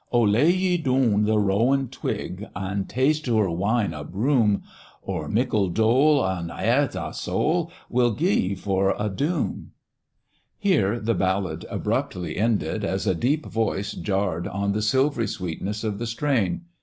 Oh, lay ye doon the rowan twig. An* taste oor wine o' broom. Or mickle dole, on hairt an' soul, We'll gie ye for a doom. Here the ballad abruptly ended, as a deep voice jarre on the silvery sweetness of the strain.